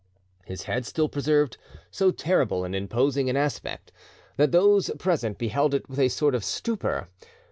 His head still preserved so terrible and imposing an aspect that those present beheld it with a sort of stupor.